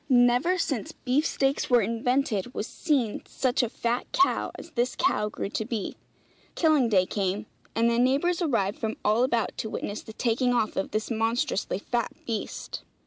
Never, since beef steaks were invented, was seen such a fat cow as this cow grew to be. Killing day came, and the neighbours arrived from all about to witness the taking off of this monstrously fat beast.